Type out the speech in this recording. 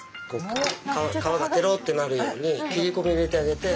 皮がテロッてなるように切りこみ入れてあげて。